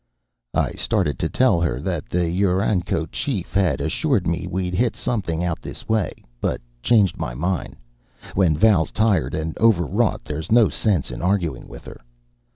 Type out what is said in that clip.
I started to tell her that the UranCo chief had assured me we'd hit something out this way, but changed my mind. When Val's tired and overwrought there's no sense in arguing with her.